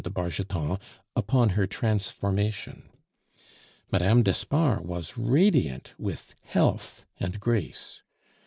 de Bargeton upon her transformation. Mme. d'Espard was radiant with health and grace.